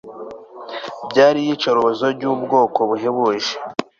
Byari iyicarubozo ryubwoko buhebuje